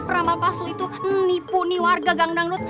ramal pasu itu nipu warga gangdang nut